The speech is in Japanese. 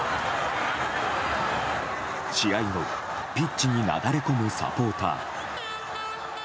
試合後、ピッチになだれ込むサポーター。